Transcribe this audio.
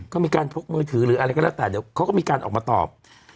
ก็มีการพกมือถือหรืออะไรก็แล้วแต่เดี๋ยวเขาก็มีการออกมาตอบ